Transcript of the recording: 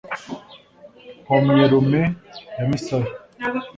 nkomyerume ya misaya